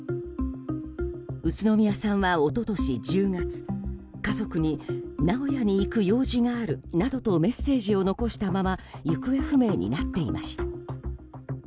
宇都宮さんは一昨年１０月家族に名古屋に行く用事があるなどとメッセージを残したまま行方不明になっていました。